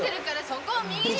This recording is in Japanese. そこを右に。